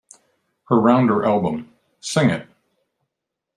Her Rounder album, Sing It!